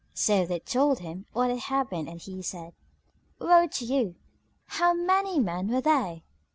So they told him what had happened and he said, "Woe to you! How many men were they?"